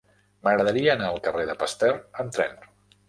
M'agradaria anar al carrer de Pasteur amb tren.